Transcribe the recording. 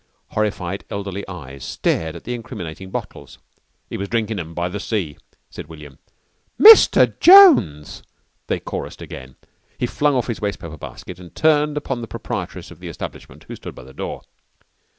Horrified elderly eyes stared at the incriminating bottles. "He was drinkin' 'em by the sea," said William. "Mr. Jones!" they chorused again. He flung off his wastepaper basket and turned upon the proprietress of the establishment who stood by the door.